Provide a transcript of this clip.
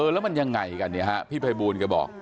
แล้วมันยังไงกันพี่พัยบูลก็บอก